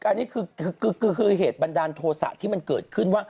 อันนี้คือเหตุบันดาลโทษะที่มันเกิดขึ้นว่า